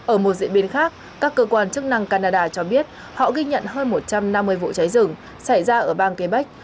ở một diễn biến khác các cơ quan chức năng canada cho biết họ ghi nhận hơn một trăm năm mươi vụ cháy rừng xảy ra ở bang quebec